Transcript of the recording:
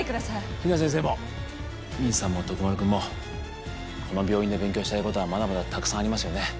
比奈先生もミンさんも徳丸君もこの病院で勉強したいことはまだまだたくさんありますよね？